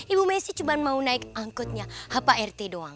ibu messi cuma mau naik angkotnya hapa rt doang